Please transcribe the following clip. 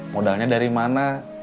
modalnya dari mana